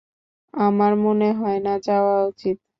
আমার মনে হয় না যাওয়া উচিত।